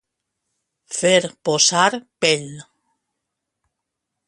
Fer posar pell.